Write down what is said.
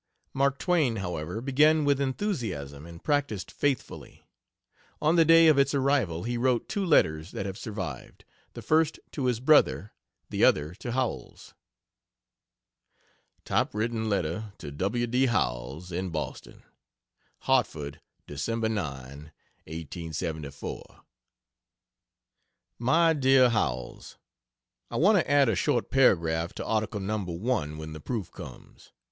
Mark Twain, however, began with enthusiasm and practised faithfully. On the day of its arrival he wrote two letters that have survived, the first to his brother, the other to Howells. Typewritten letter to W. D. Howells, in Boston: HARTFORD, Dec. 9, 1874. MY DEAR HOWELLS, I want to add a short paragraph to article No. 1, when the proof comes.